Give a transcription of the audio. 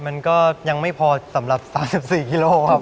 มันก็ยังไม่พอสำหรับ๓๔กิโลครับ